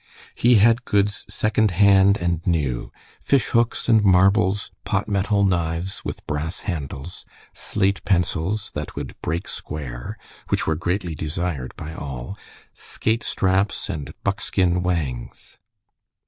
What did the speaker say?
He had goods second hand and new, fish hooks and marbles, pot metal knives with brass handles, slate pencils that would "break square," which were greatly desired by all, skate straps, and buckskin whangs.